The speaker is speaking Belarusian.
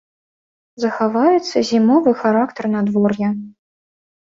Захаваецца зімовы характар надвор'я.